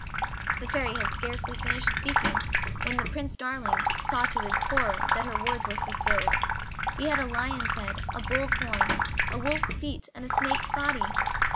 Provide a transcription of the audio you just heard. The Fairy had scarcely finished speaking when Prince Darling saw to his horror that her words were fulfilled. He had a lion's head, a bull's horns, a wolf's feet, and a snake's body.